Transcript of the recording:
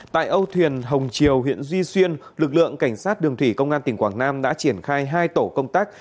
tại âu thuyền hồng triều huyện duy xuyên lực lượng cảnh sát đường thủy công an tỉnh quảng nam đã triển khai hai tổ công tác